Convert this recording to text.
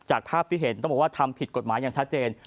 ภาพที่เห็นต้องบอกว่าทำผิดกฎหมายอย่างชัดเจน